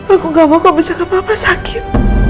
aku gak mau kau bisa ke papa sakit